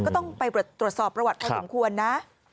ก็ต้องไปตรวจสอบประวัติพอสมควรนะ